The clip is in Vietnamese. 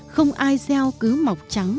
không ai gieo cứu mọc trắng